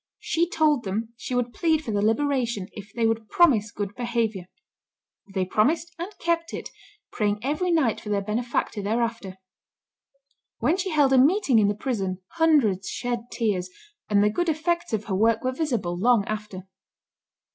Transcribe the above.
She told them she would plead for their liberation if they would promise good behavior. They promised, and kept it, praying every night for their benefactor thereafter. When she held a meeting in the prison, hundreds shed tears, and the good effects of her work were visible long after.